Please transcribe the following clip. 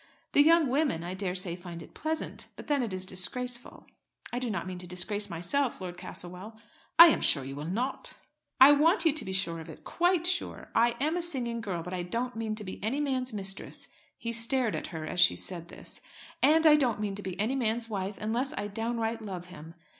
The young women I daresay find it pleasant, but then it is disgraceful. I do not mean to disgrace myself, Lord Castlewell." "I am sure you will not." "I want you to be sure of it, quite sure. I am a singing girl; but I don't mean to be any man's mistress." He stared at her as she said this. "And I don't mean to be any man's wife, unless I downright love him.